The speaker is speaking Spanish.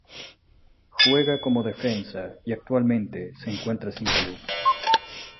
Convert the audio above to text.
Juega como defensa y actualmente se encuentra sin club.